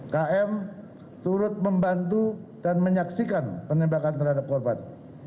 km turut membantu dan menyaksikan penembakan terhadap korban